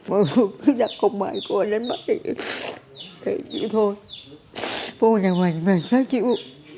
mà không bài cô lên mắt thì thôi vô nhà mình mệt quá chịu